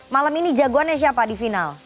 malam ini jagoannya siapa di final